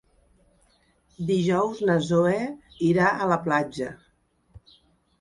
Dijous na Zoè irà a la platja.